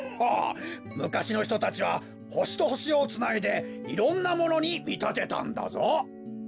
むかしのひとたちはほしとほしをつないでいろんなものにみたてたんだぞ。